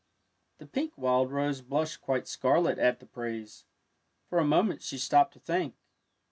The pink wild rose blushed quite scarlet at the praise. For a moment she stopped to think.